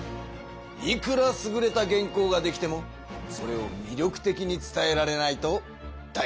いくらすぐれた原稿ができてもそれをみりょくてきに伝えられないとだいなしだぞ。